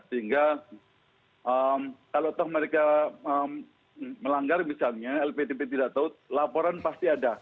sehingga kalau toh mereka melanggar misalnya lptp tidak tahu laporan pasti ada